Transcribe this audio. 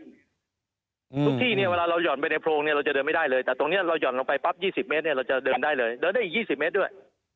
ทุกที่เนี่ยเวลาเราห่อนไปในโพรงเนี่ยเราจะเดินไม่ได้เลยแต่ตรงนี้เราหย่อนลงไปปั๊บ๒๐เมตรเนี่ยเราจะเดินได้เลยเดินได้อีก๒๐เมตรด้วย